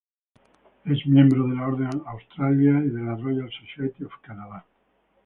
Es miembro de la Orden de Australia y de la Royal Society of Canada.